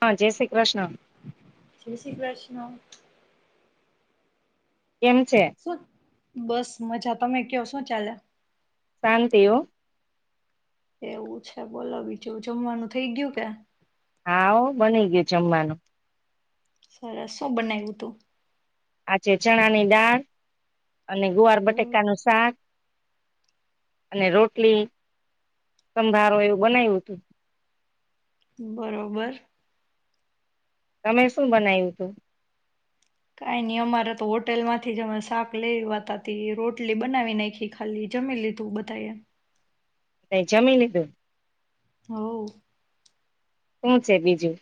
હા, જય શ્રી ક્રષ્ણ. જય શ્રી કૃષ્ણ. કેમ છે? શું બસ મજા, તમે કયો શું ચાલે? શાંતિ હો. એવું છે બોલો, બીજું જમવાનું થઇ ગયું કે? હા ઓ, બની ગયું જમવાનું. સરસ, શું બનાય્વુ તુ? આજે ચણાની દાળ અને ગુવાર બટેકા નું શાક અને રોટલી, સંભારો એવું બનાય્વુ તુ. બરોબર. તમે શું બનાય્વુ તુ? કાંઈ ની અમારે તો હોટેલમાંથી જ અમે શાક લઈે આય્વાતા તે રોટલી બનાવી નાંય્ખી ખાલી, જમી લીધું બધાએ. તેં જમી લીધુ? હઓ. હું છે બીજું?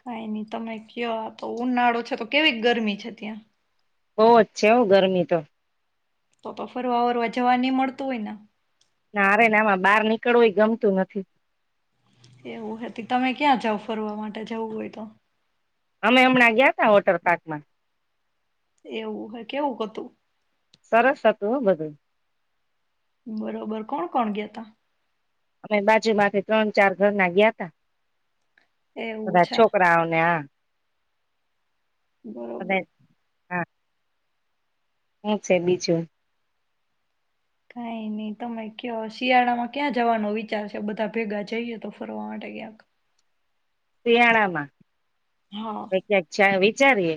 કાઈ નઈ તમે ક્યો આ તો ઉનાળો છે તો કેવી ગરમી છે ત્યાં? બહુઅજ છે હઉ ગરમી તો. તો તો ફરવા વરવા જવા નહીં મળતું હોય ના? ના રે ના આમાં બહાર નીકળવું એ ગમતું નથી. એવું હતી. તમે ક્યાં જાવ ફરવા માટે જવું હોય તો? અમે હમણાં ગયા તા વોટર પાર્કમાં. એવું હ કેવુંક હતું? સરસ હતું હ બધું. બરોબર કોણ કોણ ગયા તા? અમે બાજુમાંથી ત્રણ ચાર ઘર ના ગયા તા. એવું બધા છે છોકરાઓ ને આ બધા બરોબર. હા. હું છે બીજું? કઈ નઈ તમે ક્યો શિયાળામાં ક્યાં જવાનો વિચાર છે? બધા ભેગા જઈએ તો ફરવા માટે ક્યાંક. શિયાળા માં? હા [unintelligible] આવી. ચારીએ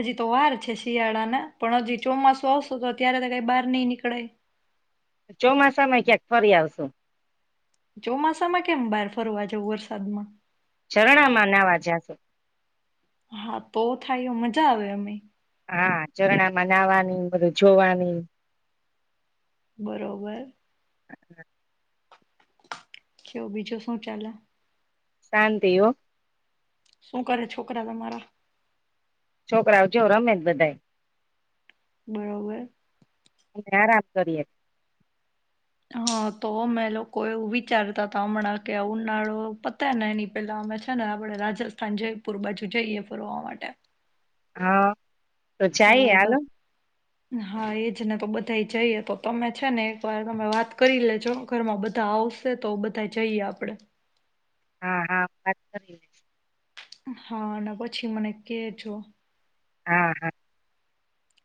હજી તો વાર છે શિયાળાના. પણ હજી ચોમાસું આવશે તો ત્યારે તો કઈ બહાર નઈ નીકળાય. ચોમાસામાં ક્યાંક ફરી આવશું. ચોમાસામાં કેમ બાર ફરવા જવું વરસાદમાં? ઝરણામાં નાવા જાશે. હા તો થાય એ મજા આવે, અમે હા, ઝરણામાં નાવાની, બધું જોવાની. બરોબર. કેવ બીજું શું ચાલે? શાંતિ હો. શું કરે છોકરા તમારા? છોકરાઓ જો રમે છ બધાય. બરોબર. આરામ કરીએ. હાં તો અમે લોકો એવું વિચારતા તા અમણાં કે ઉનાળો પતે ને એની પેલા અમે છે ને આપડે રાજસ્થાન જયપુર બાજુ જઈએ ફરવા માટે. હા. તો જાઈએ હાલોન. હા એજ ને તો બધાય જઈએ તો તમે છે ને એક વાર તમે વાત કરી લેજો ઘરમાં બધા આવશે તો બધા જઈએ આપડે. હા, હા, વાત કરી લઈશ. હા અને પછી મને કેજો. હા, હા.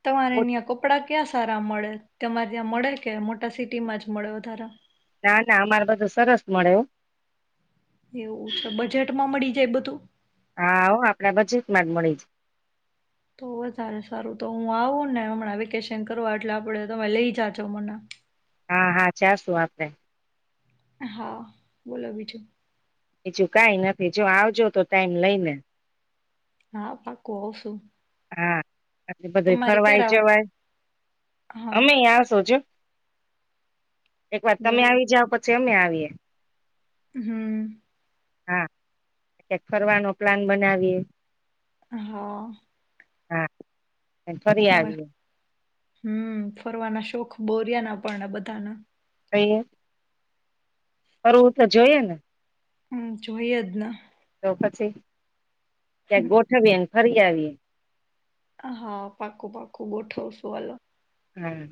તમારે ન્યાં કપડાં ક્યાં સારા મળે? તમારે ત્યાં મળે કે મોટા સિટીમાં જ મળે વધારે? ના, ના, અમાર બધું સરસ મળે હોં. એવું છે, તો બજેટ માં મળી જાય બધું? હા, ઓ આપણે બજેટમાં જ મળી જાય. તો વધારે સારું. તો હું આવું ને હમણાં વેકેશન કરવા એટલે આપડે તમે લઈ જાજો મને. હા, હા, જાશું આપડે. હા, બોલો બીજું? બીજું કઈ નથી, જો આવજો તો ટાઈમ લઈને. હા, પાકું આવશું. હા. આટલે બધાએ તમારે ક્યારે ફરવાએ આવું જવાય હા અમેય આવશું જો. એક વાર તમે બરોબર આવી જાઓ પછી કે અમે આવીએ? હમ્મ. હા, ક્યાંક ફરવાનો પ્લાન બનાવીએ. હા. હા. ને ફરી આવીએ. હમ્મ, ફરવાના શોખ બો રિયાના આપણના બધાના. [unintelligible] ફરવું તો જોઈએે ને! હા જોઈએ જ ને. તો પછી. ક્યાંક ગોઠવીએ. ફરી આવીએ. હા પાકું પાકું ગોઠવશું [unintelligible] હમ્મ.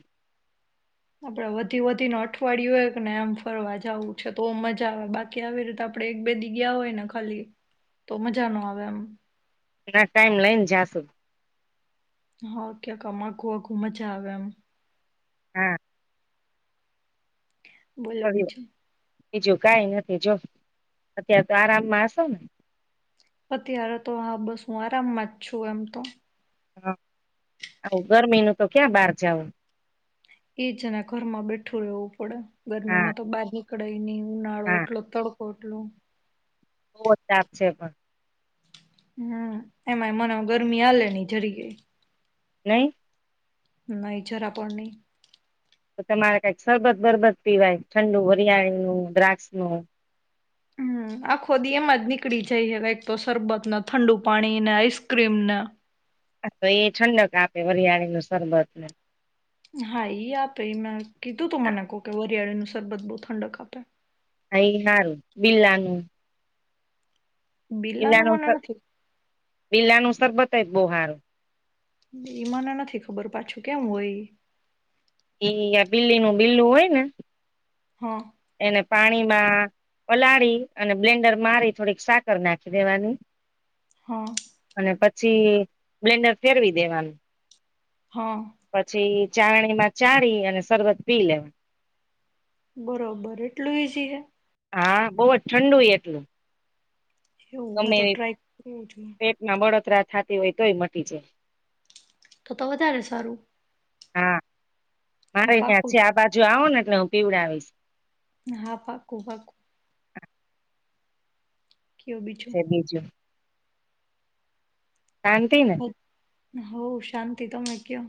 આપણે વધી વધીને અઠવાડિયું હોય કેને આમ ફરવા જવું છે, તો મજા આવે બાકી આવી રીતે આપણેે એક બે જીગયા હોય ને ખાલી તો મજા ન આવે એમ. એના ટાઈમ લઈને જાશું. હા ક્યાંક [unintelligible] મજા આવે એમ. હા. બોલો ફરી બીજું. બીજું કઈ નથી જો અત્યારે તો આરામમાં હશો, ને. અત્યારે તો હા બસ હું આરામમાં જ છું, એમ તો. હા આવું ગરમીનું તો ક્યાં બાર જવું. એજના ઘરમાં બેઠું રહેવું પડે. હા ગરમીમાં તો બારી નીકળાય નહીં. ઉનાળો એટલો તડ ઓટલો. બો તાપ છે, પણ. હમ એમાંય મને ગરમી આલે ની જરી ગઈ. નહી. નેચર આપણની. તો તમારે કંઈક શરબત બરબત પીવાય ઠંડુ હરિયાળીનું દ્રાક્ષ નું. હમ આખો [unintelligible] એમાં જ નીકળી જાય યે કંઈક તો સરરબત ઠંડુ પાણીને આઈસ્ક્રીમના. હા તો એ ઠંડક આપે [unintelligible] નું શરબત ને. હા ઈ આપે મેં કીધું તો મને કોહ કે વરિયાળી નું સરરબત બો ઠંડક આપે. હા એ હારુ [unintelligible] [unintelligible] બિલાનું મને બિલાનુંુસ નથી બિલાનુંુસર બ બુહાર [unintelligible] એઈ મને નથી ખબર પાછું કેમ હોય? એ બિલ્લીનું બિલ્લું હોય ને. હા. એને પાણીમાં પલાળી અને બ્લેન્ડર મારી થોડીક સાકર નાખી દેવાની. હા. અને પછી બ્લેન્ડર ફેરવી દેવાનું. હા. પછી ચારણીમાં ચારી અને શરબત પી લેવાનું. બરોબર એટલું ઈઝી હે. હા બહુ જ ઠંડુ એટલું. એવું હ તો ટ્રાય કરું છું. કતરા થતી હોય તોય મટી જાય. તો તો વધારે સારું. હા. મારે હું અહીંયા પાકું છે આ બાત. જો આવો ને એટલે હું પીવડાવીશ. હા પાાકું પાકું. બીજું. શાંતી ને? હ શાંતિ તમે કહો?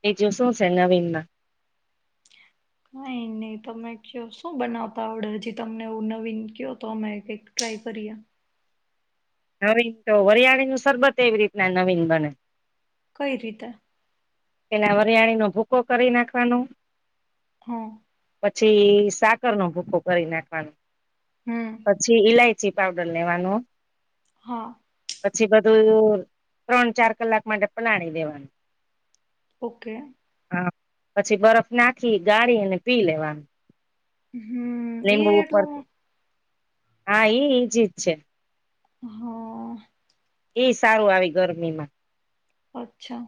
બીજું શું છે નવીનમાં? કઈ નહી તમે કહો શું બનાવતા ઓર્ડર હજી તમને? આવું નવીન કહો તો અમે કઇક ટ્રાય કરીએ. નવીન તો વરિયાળી નું શરબત એવી રીતના નવીન બને. કઈ રીતે? એના વરિયાણીનો ભૂકો કરી નાખવાનો. હા. પછી સાકરનો ભૂકો કરી નાખવાનો. હમ પછી ઈલાય. ચી પાવડર લેવાનું. હા. પછી બધું ત્રણ ચાર કલાક માટે પલાણી દેવાનું. ઓકે. પછી બરફ નાખી ગાળી અને પી લેવાનું. હમ એ લીંબુ ઉપર એટલું. હા એ ઈજી જ છે. હમ. એ સારું આવી ગરમીમાં. અચ્છા.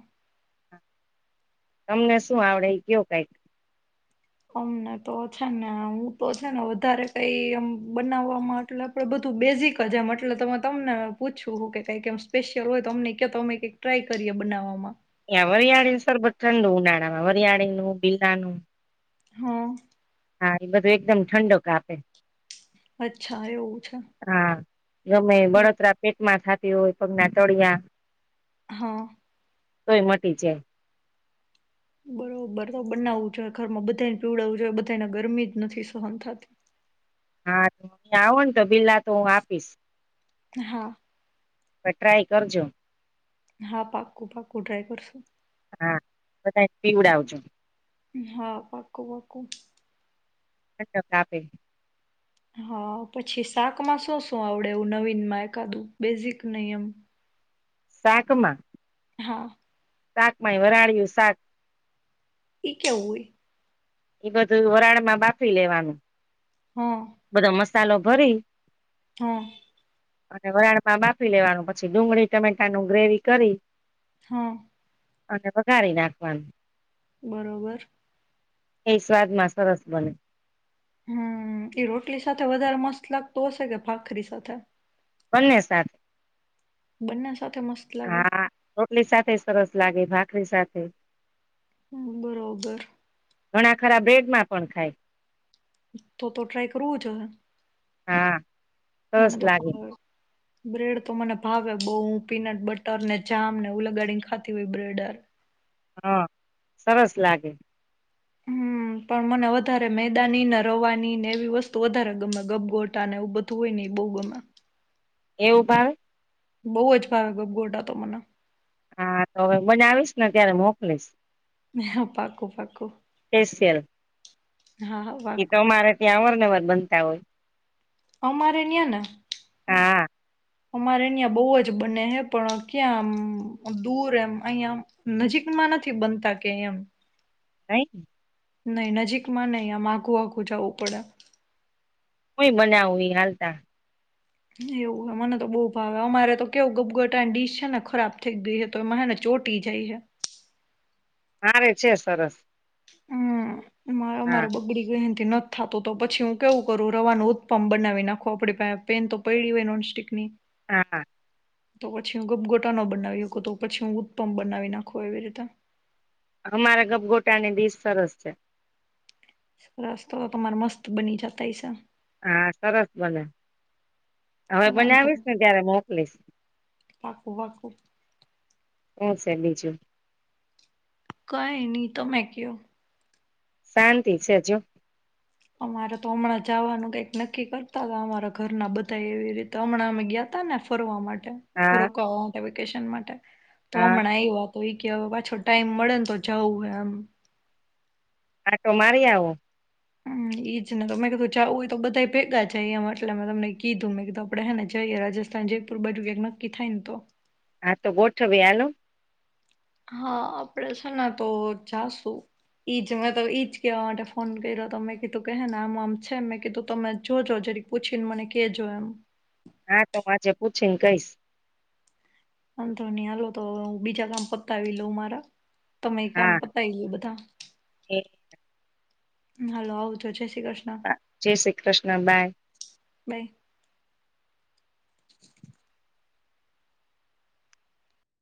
તમને શું આવડે કહો કઈક? અમને તો છે ને હું તો છે ને વધારે કઈ એમ બનાવવામાં એટલે આપડે બધું બેઝિક જ એમ એટલે તમને પૂછું કે કઈક એમ સ્પેશિયલ હોય તો અમને તો અમે કઈક ટ્રાય કરીએ બનાવવામાં. એ વરિયાળી સરબત ઠંડું ઉનાળા માં વરિયાળી નું [unintelligible] નું હા હા એ બધું એકદમ ઠંડો કાપે. અચ્છા એવું છે. હા ગમે એ બળતરા પેટમાં થા એ હોય પગના તળિયા હઅ તોય મટી જાય. બરોબર તો બનાવવું જોઈએ, ઘરમાં બધા પીવડાવું જોઈએ, બધાને ગરમી જ નથી સહન થાતી. હા ત્યાં આવો ને તો બિલા તો હું આપીશ. હા. પર ટ્રાય કરજો. હા પાક્કું પાક્કું ટ્રાય કરશું. હા બધાય ને પીવડાવજો. હા પાક્કું પાક્કું. [unintelligible] કાપે. હા પછી શાકમાં શું શું આવડે એવું નવીનમાં એકાદું બેઝિક નય એમ? શાકમાં હા અ. શાક માંય વરાળિયું શાક. એઈ કેવું હોય. એ બધું વરાળ માં બાફી લેવાનું. હમ્મ. બધો મસાલો ભરી હમ્મ. અને વરાળ માં બાફી લેવાનું પછી ડુંગળી ટમેટાનું ગ્રેવી કરી હા અને વઘારી નાખવાનું બરોબર. એ સ્વાદમાં સરસ બને. હમ્મ એ રોટલી સાથે વધારે મસ્ત લાગતું હશે કે ભાખરી સાથે. બંને સાથે. બના [inaudible] હા રોટલી સાથે સરસ લાગે ભાખરી સાથે. હમ્મ બરોબર. ઘણા ખરા બ્રેડમાં પણ ખાય. તો તો ટ્રાય કરવું હા [inaudible] સરસ મને તો લાગે ભાવે. બ્રેડ તો મને ભાવે બહુ પીનટ બટર ને જામ ને ઉ લગાડીને ખાતી હોય બ્રેડર હા સરસ લાગે. હમ્મ પણ મને વધારે મેદાની ને રવાની ને એવી વસ્તુ વધારે ગમે ગબગોટા ને એવું બધું હોય ને એ બહુ ગમે. એવું ભાવે. બઉ અ જ ભાવે ગબ ગોટ તો મને હા તો હવે બનાવીશ ને ત્યારે મોકલીશ. [unintelligible] હ પાકું પાકું [unintelligible] હા હા એ તો પાકું અમારે ત્યાં આવાનું [unintelligible] બનતા હોય અમારે ન્યાને હા અમારે અહીંયા બોવાજ બને હે પણ ક્યાંમ દૂર એમ અહીંયા નજીકમાં નથી બનતા કંઈ એમ [unintelligible] નહી નજીકમાં નહી આમ આઘું આઘું જવું પડે કોઈ બનાવવી હાલતા એવું હ મને તો બહુ ભાવે અમારે તો કેવું ગપગટાની ડીશ છે ને ખરાબ થઈ ગઈ છે તો એમાં છે ને ચોટી જાય છે અરે છે સરસ હમ મારો હા મારો બગડી ગયો નથી થતું તો પછી હું કેવું કરું રવાનું ઉત્પમ બનાવી નાખું આપણી પેન તો પયડી હોય નોનસ્ટિકની હા તો પછી હું ગપગોટા ન [unintelligible] તો પછી હું ઉત્પમપ બનાવી નાખું એવી રીતે અમારા ગભગોટાની ડિશ સરસ છે સરસ તો તમારે મસ્ત બની [unintelligible] છે હા સરસ ભલે હવે વાંધો નહીં. બનાવીશને ત્યારે મોકલીસ. પાકું પાકું હું છે બીજું કઈ ની તમે કયો શાંતિ છે જો. અમારે તો હમણાં જાવાનું કંઈક નક્કી કરતા હતા અમારા ઘરના બધા એવી રીતે હમણાં અમે ગીયા તાને ફરવા માટે. હા રોકાવા માટે, વેકેશન માટે. તો હા હમણાં આયવા. તો એ કે પાછો ટાઈમ મળે ને તો જાવું હે એમ. આંટો મારી આવો હમ ઈજ ને તો મે કીધું જવું હોય તો, બધા ભેગા જાય એમ એટલે મે તમને કીધું મેં કીધું આપડે હે ને જઈએ રાજસ્થાન, જયપુર બાજુ ક્યાંક નક્કી થાય ને તો. હાતો ગોઠવીએ હાલો. હા આપડે છે ને તો જાશુ ઈજ મેં તો ઈજ કવા માટે ફોન કર્યોમે કીધું કે હેને આમ આમ છે મેં કીધું તમે જોજો જરી પૂછીને મને કેજો એમ. હા તો હું આજે પૂછી ને કઈશ વાંધો ની હાલો તો હવે હું બીજા કામ પતાવી લઉં મારા. તમે કામ હા પતાય લો બધા [unintelligible] હાલો આવજો જય શ્રી કૃષ્ણ હા જય શ્રી કૃષ્ણ. બાય. બાઈ